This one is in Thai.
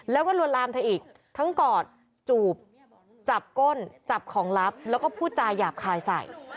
แล้วก็ลวนลามเธออีกทั้งกอดจูบจับก้นจับของลับแล้วก็พูดจาหยาบคายใส่